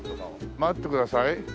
待ってください。